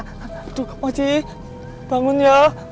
aduh moci bangun ya